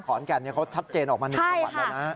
ขอนแก่นเขาชัดเจนออกมา๑จังหวัดแล้วนะ